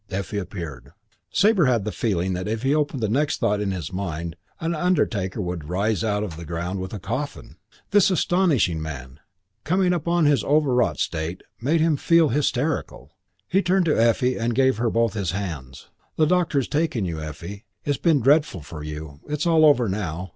Effie appeared. Sabre had the feeling that if he opened the next thought in his mind, an undertaker would rise out of the ground with a coffin. This astonishing man, coming upon his overwrought state, made him feel hysterical. He turned to Effie and gave her both his hands. "The doctor's taking you, Effie. It's been dreadful for you. It's all over now.